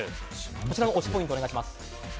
こちらの推しポイントお願いします。